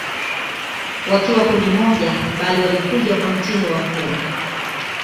Wakiwa kundi moja bali walikuja kwa mtindo wa koo